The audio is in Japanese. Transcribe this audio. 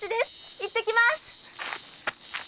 行ってきます。